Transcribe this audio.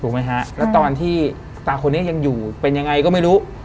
ไหมฮะแล้วตอนที่ตาคนนี้ยังอยู่เป็นยังไงก็ไม่รู้